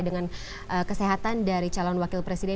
dengan kesehatan dari calon wakil presiden